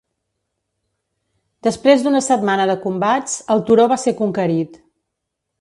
Després d'una setmana de combats, el turó va ser conquerit.